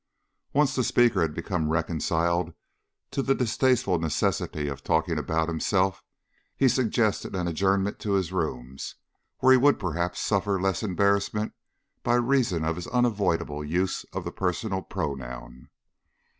Once the speaker had become reconciled to the distasteful necessity of talking about himself, he suggested an adjournment to his rooms, where he would perhaps suffer less embarrassment by reason of his unavoidable use of the personal pronoun.